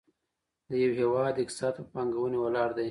د یو هېواد اقتصاد په پانګونې ولاړ دی.